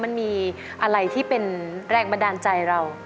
มันมีอะไรที่เป็นแรงบันดาลใจเรา